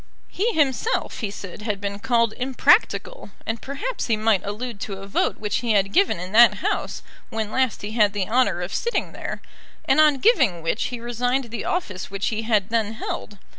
He himself, he said, had been called impractical, and perhaps he might allude to a vote which he had given in that House when last he had the honour of sitting there, and on giving which he resigned the office which he had then held.